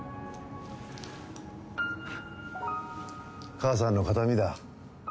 母さんの形見だ。